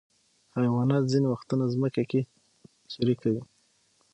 حیوانات ځینې وختونه ځمکه کې سوری کوي.